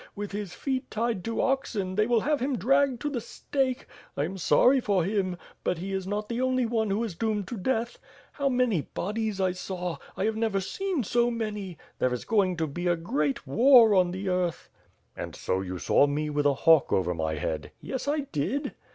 With his feet tied to oxen, they will have him dragged to the stake. I am sorry for him! But he is not the only one who is doomed to death. How many bodies I saw! 1 have never seen so many. There ia going to be a great war on the earth!'' "And so you saw me with a hawk over my head?'' "Yes, I did."